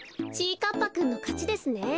かっぱくんのかちですね。